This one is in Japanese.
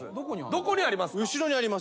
どこにありますか？